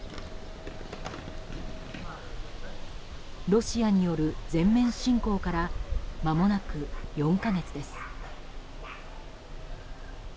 ロシアによる全面侵攻からまもなく４か月です。